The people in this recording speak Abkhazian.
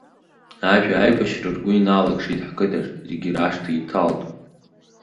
Ажәа аибашьра ргәы иналакшеит ҳқыҭаҿ, зегь рашҭа иҭалт.